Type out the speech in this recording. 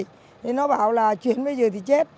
thế nó bảo là chuyển bây giờ thì chết